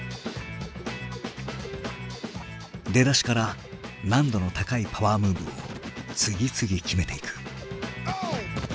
出だしから難度の高いパワームーブを次々決めていく。